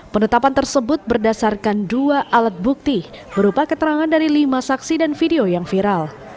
penetapan tersebut berdasarkan dua alat bukti berupa keterangan dari lima saksi dan video yang viral